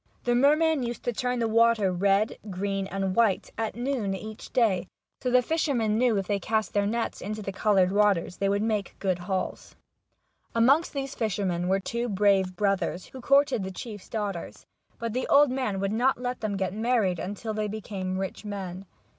The merman used to turn the water red, green, and white, at noon each day, so that the fishermen knew that if they cast their nets into the coloured waters they would make good hauls. Amongst these fishermen were two brave brothers, who courted the chiefs daughters, but the old man would not let them get married until they became rich men.